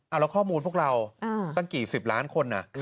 เอาแล้วข้อมูลพวกเราตั้งกี่สิบล้านคน